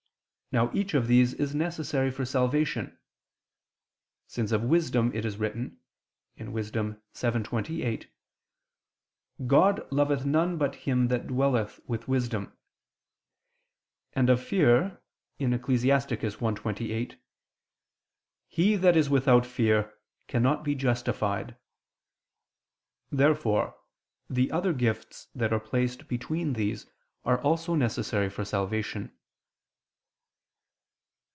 Now each of these is necessary for salvation: since of wisdom it is written (Wis. 7:28): "God loveth none but him that dwelleth with wisdom"; and of fear (Ecclus. 1:28): "He that is without fear cannot be justified." Therefore the other gifts that are placed between these are also necessary for salvation.